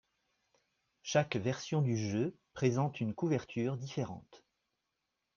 Chaque version du jeu présente une couverture différente.